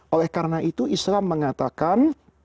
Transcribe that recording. oleh karena itu islam mengatakan